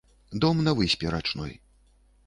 Дом на выспе рачной.